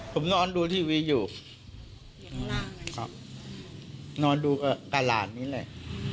ผมนอนดูทีวีอยู่นอนดูกับหลานนี้เลย